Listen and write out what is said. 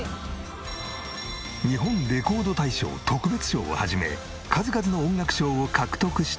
日本レコード大賞特別賞を始め数々の音楽賞を獲得した。